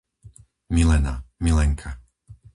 Milena, Milenka